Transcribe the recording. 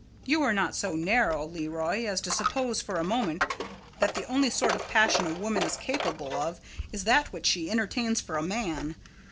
You are not so narrow, Leroy, as to suppose for a moment that the only sort of passion a woman is capable of is that which she entertains for a man.